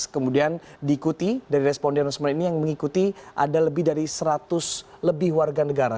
kemudian diikuti dari responden resmi ini yang mengikuti ada lebih dari seratus lebih warga negara